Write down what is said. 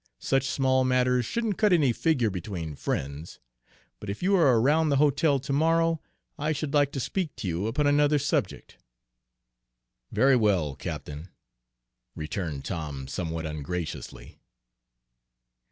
Such small matters shouldn't cut any figure between friends; but if you are around the hotel to morrow, I should like to speak to you upon another subject." "Very well, captain," returned Tom somewhat ungraciously.